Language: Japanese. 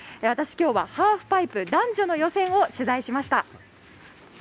私、今日はハーフパイプ男女の予選を取材しました。